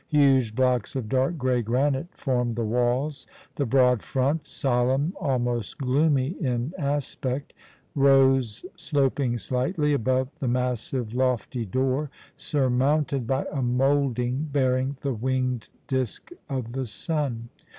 Huge blocks of dark grey granite formed the walls. The broad front solemn, almost gloomy in aspect rose, sloping slightly, above the massive lofty door, surmounted by a moulding bearing the winged disk of the sun.